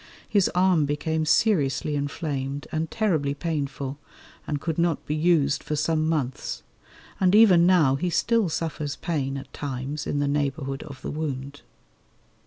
His arm became seriously inflamed and terribly painful, and could not be used for some months; and even now he still suffers pain at times in the neighbourhood of the wound.